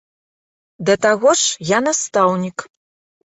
Да таго ж я настаўнік.